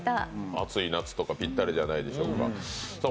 暑い夏とかぴったりじゃないでしょうか。